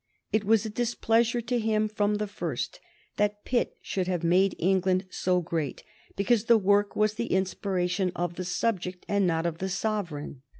It was a displeasure to him from the first that Pitt should have made England so great, because the work was the inspiration of the subject and not of the sovereign.